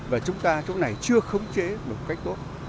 và chúng ta chỗ này chưa khống chế một cách tốt